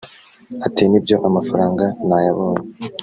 Ati “Nibyo amafaranga nayabonye